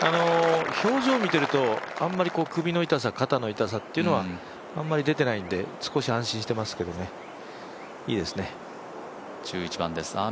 表情を見てるとあまり首の痛さ肩の痛さというのはあまり出ていないので少し安心していますけど１１番です。